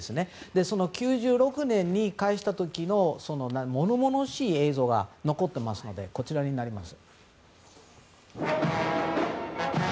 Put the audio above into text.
その１９９６年に返した時の物々しい映像が残っていますのでこちらになります。